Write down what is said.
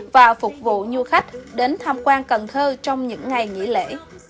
và phục vụ du khách đến tham quan cần thơ trong những ngày nghỉ lễ